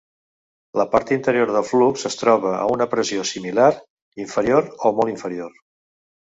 La part interior del flux es troba a una pressió similar, inferior o molt inferior.